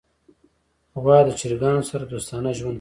غوا د چرګانو سره دوستانه ژوند کوي.